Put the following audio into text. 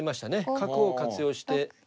角を活用して。